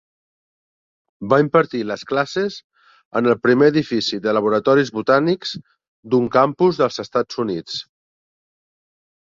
Va impartir les classes en el primer edifici de laboratoris botànics d'un campus dels Estats Units.